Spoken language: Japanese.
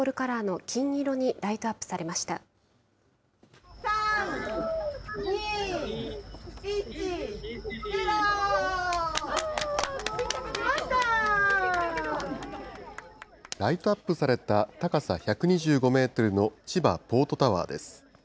ライトアップされた高さ１２５メートルの千葉ポートタワーです。